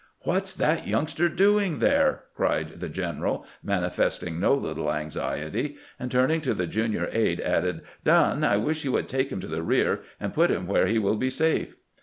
" What 's that youngster doing there ?" cried the gen eral, manifesting no little anxiety; and turning to the junior aide, added, " Dunn, I wish you would take him to the rear, and put him where he will be safe."